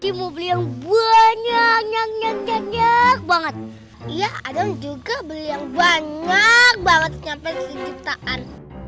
timu beliau banyak nyanyiannya nyanyian banget iya ada juga beliau banyak banget nyampe kejutaan